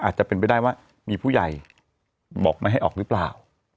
อาจจะเป็นไปได้ว่ามีผู้ใหญ่บอกไม่ให้ออกหรือเปล่า